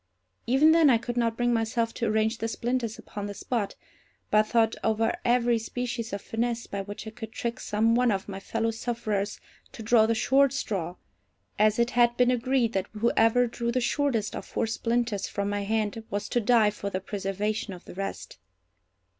Even then I could not bring myself to arrange the splinters upon the spot, but thought over every species of finesse by which I could trick some one of my fellow sufferers to draw the short straw, as it had been agreed that whoever drew the shortest of four splinters from my hand was to die for the preservation of the rest.